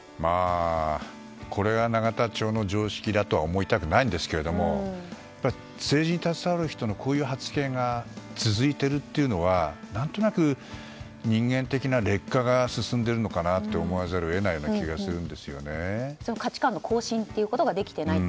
これが永田町の常識だとは思いたくないんですけども政治に携わる人のこういう発言が続いているというのは何となく人間的な劣化が進んでいるのかなと思わざるを価値観の更新ができていないと。